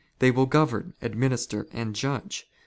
They "will govern, '' administer, and judge.